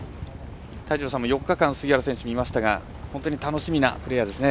泰二郎さんも４日間杉原選手、見ましたが本当に楽しみなプレーヤーですね。